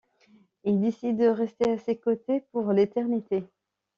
Il décide de rester à ses côtés pour l'éternité.